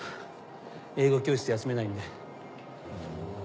英語教室休めないんで。